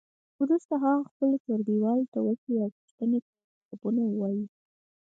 وروسته هغه خپلو ټولګیوالو ته وښیئ او پوښتنو ته یې ځوابونه ووایئ.